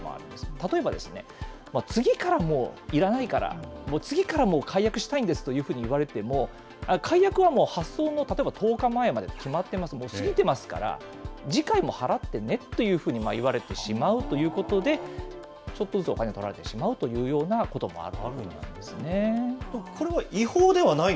例えば、次からもういらないから、もう次から解約したいんですというふうに言われても、解約はもう発送の１０日前までと決まってます、もう過ぎてますから、次回も払ってねっていうふうに言われてしまうということで、ちょっとずつお金を取られてしまうというようなこともあるということなんでこれは違法ではない？